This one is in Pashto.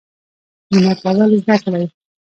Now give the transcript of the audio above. مینه کول زده کړئ